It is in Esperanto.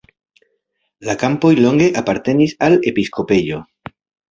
La kampoj longe apartenis al episkopejo.